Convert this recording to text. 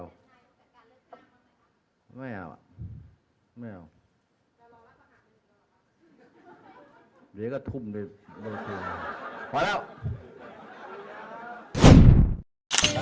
อ่าแล้วนี่ด่าผมมาเลยด่ามาอ๋อไม่ได้ว่าไหมธรรมเทศชาติมันย่อยยับไปแล้วกัน